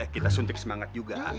kita suntik semangat juga